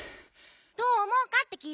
どうおもうかってきいてんの。